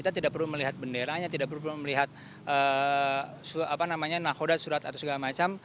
kita tidak perlu melihat benderanya tidak perlu melihat nahoda surat atau segala macam